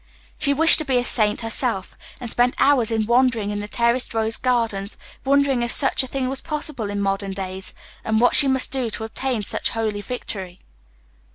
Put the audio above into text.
She wished to be a saint herself, and spent hours in wandering in the terraced rose gardens wondering if such a thing was possible in modern days, and what she must do to obtain such holy victory.